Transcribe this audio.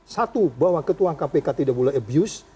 satu bahwa ketua kpk tidak boleh abuse